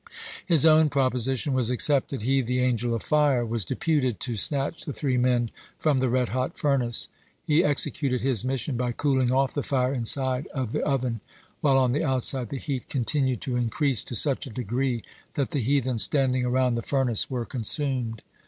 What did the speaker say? His own proposition was accepted. He, the angel of fire, was deputed to snatch the three men from the red hot furnace. He executed his mission by cooling off the fire inside of the oven, while on the outside the heat continued to increase to such a degree that the heathen standing around the furnace were consumed.